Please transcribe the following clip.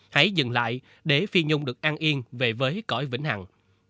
hãy dừng lại để phi nhung được an yên về với cõi vĩnh hằng